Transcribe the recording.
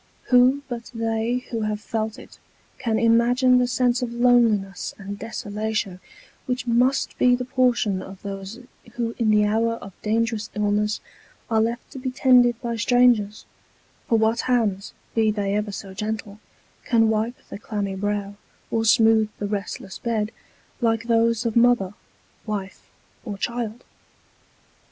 Who, but they who have felt it, can imagine the sense of loneliness and desolation which must be the portion of those who in the hour of dangerous illness are left to be tended by strangers ; for what hands, be they ever so gentle, can wipe the clammy brow, or smooth the restless bed, like those of mother, wife, or child